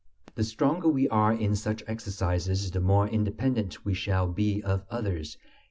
The stronger we are in such exercises, the more independent we shall be of others.